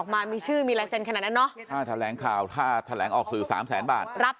พี่ชุวิตก็ต้องฟ้องว่าผมล้มละลายนะครับ